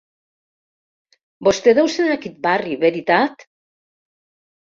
Vostè deu ser d'aquet barri veritat?